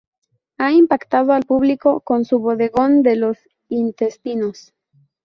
Ha impactado al público con su bodegón de los intestinos.